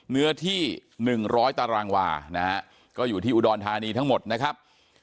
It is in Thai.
เนื้อที่๑๐๐ตารางวานะฮะก็อยู่ที่อุดรธานีทั้งหมดนะครับ